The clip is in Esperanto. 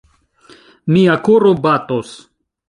Mia koro batos!